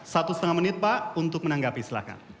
satu setengah menit pak untuk menanggapi silakan